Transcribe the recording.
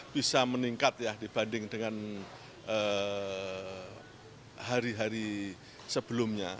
bisa meningkat ya dibanding dengan hari hari sebelumnya